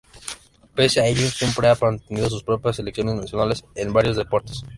Pese a ello siempre ha mantenido sus propias selecciones nacionales en varios deportes.